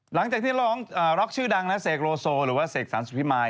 หลังจากที่ร้องร็อกชื่อดังนะเสกโลโซหรือว่าเสกสรรสุพิมาย